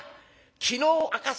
昨日赤坂